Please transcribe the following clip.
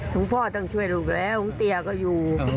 ลุงพ่อต้องช่วยลูกแล้วที่ตี๊าก็อยู่